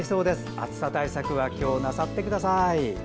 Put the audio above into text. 暑さ対策はなさってください。